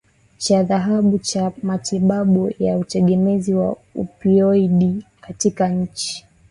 cha dhahabu cha matibabu ya utegemezi wa opioidi katika nchi